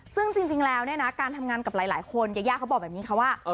ซึ่งจริงแล้วเนี่ยนะการทำงานกับหลายคนยายาเขาบอกแบบนี้ค่ะว่า